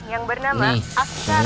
yang bernama askaran putih alfahri